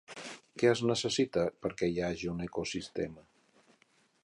Què es necessita perquè hi hagi un ecosistema?